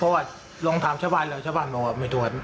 เพราะว่าลองถามชะบายหรือเจ้าบ้านบอกว่าไม่ถูกกัน